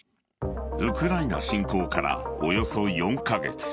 ウクライナ侵攻からおよそ４カ月。